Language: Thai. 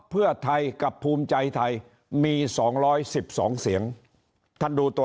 เพื่อไทยกับภูมิใจไทยมีสองร้อยสิบสองเสียงท่านดูตัว